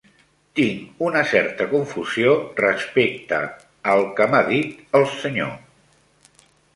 Tinc una certa confusió respecte al que m'ha dit el senyor.